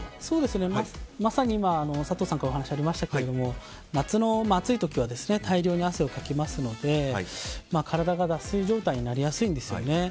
まさに今、佐藤さんからお話ありましたけども夏の暑い時は大量に汗をかきますので体が脱水状態になりやすいんですね。